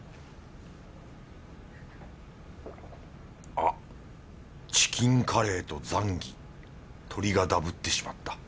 あっチキンカレーとザンギ鳥がダブってしまった。